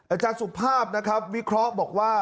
อาจารย์สุภาพนะครับวิเคราะห์บอกว่า